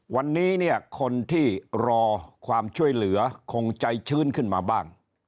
วันนี้เนี่ยคนที่รอความช่วยเหลือคงใจชื้นขึ้นมาบ้าง